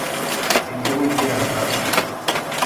E qué buen yera, verdat?